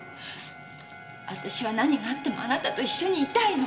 私は何があってもあなたと一緒にいたいの。